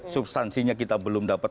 substansinya kita belum dapat